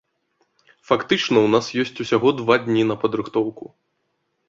Фактычна ў нас ёсць усяго два дні на падрыхтоўку.